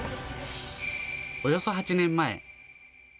およそ８年前。